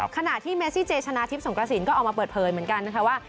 ขณะที่เมซี่เจชนะทิพย์สงกระสินก็ออกมาเปิดเผยเหมือนกันนะคะว่า